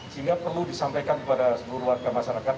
sehingga perlu disampaikan kepada seluruh warga masyarakat